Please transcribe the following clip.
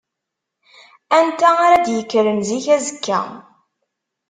Anta ara d-yekkren zik azekka?